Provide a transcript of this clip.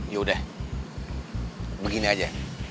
yaudah begini aja